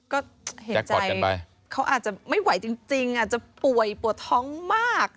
ก็เห็นใจเขาอาจจะไม่ไหวจริงอาจจะป่วยปวดท้องมาก